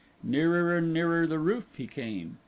Nearer and nearer the roof he came.